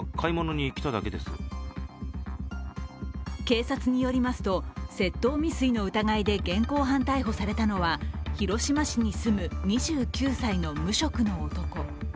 警察によりますと、窃盗未遂の疑いで現行犯逮捕されたのは広島市に住む２９歳の無職の男。